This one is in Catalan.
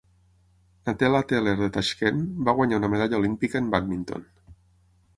Natella Teller de Tashkent va guanyar una medalla olímpica en bàdminton.